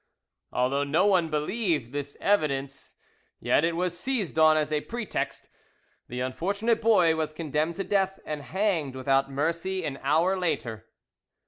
Although no one believed the evidence, yet it was seized on as a pretext: the unfortunate boy was condemned to death, and hanged without mercy an hour later.